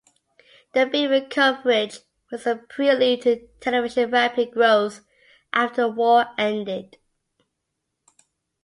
The vivid coverage was a prelude to television's rapid growth after the war ended.